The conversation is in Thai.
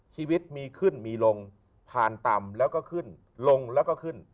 ชีวิตมีขึ้นมีลงผ่านต่ำแล้วก็ขึ้นลงแล้วก็ขึ้น